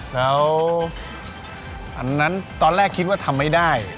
แล้วอันนั้นตอนแรกคิดว่าทำไม่ได้